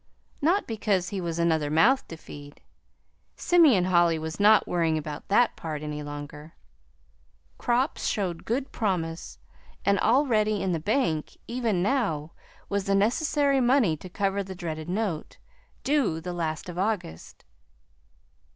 Not because he was another mouth to feed Simeon Holly was not worrying about that part any longer. Crops showed good promise, and all ready in the bank even now was the necessary money to cover the dreaded note, due the last of August.